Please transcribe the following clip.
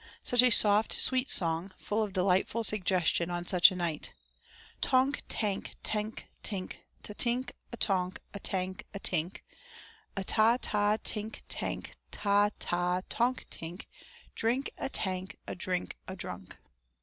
Such a soft sweet song; full of delightful suggestion on such a night: Tonk tank tenk tink Ta tink a tonk a tank a tink a Ta ta tink tank ta ta tonk tink Drink a tank a drink a drunk.